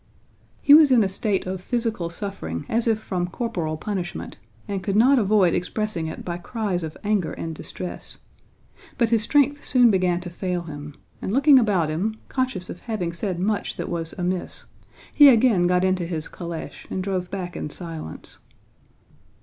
He was in a state of physical suffering as if from corporal punishment, and could not avoid expressing it by cries of anger and distress. But his strength soon began to fail him, and looking about him, conscious of having said much that was amiss, he again got into his calèche and drove back in silence.